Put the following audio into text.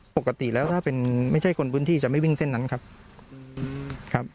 ปกติแล้วถ้าเป็นไม่ใช่คนพื้นที่จะไม่วิ่งเส้นนั้นครับ